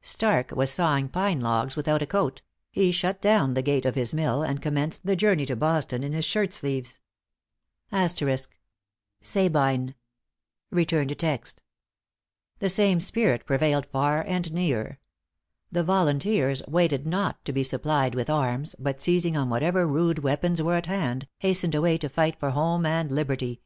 Stark was sawing pine logs without a coat; he shut down the gate of his mill, and commenced the journey to Boston in his shirt sleeves. * The same spirit prevailed far and near. The volunteers waited not to be supplied with arms, but seizing on whatever rude weapons were at hand, hastened away to fight for home and liberty.